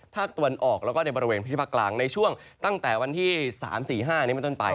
ภาคตะวันออกแล้วก็ในบริเวณพื้นที่ภาคกลางในช่วงตั้งแต่วันที่๓๔๕นี้เป็นต้นไป